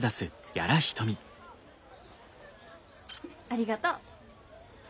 ありがとう。